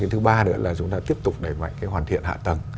thứ ba nữa là chúng ta tiếp tục đẩy mạnh cái hoàn thiện hạ tầng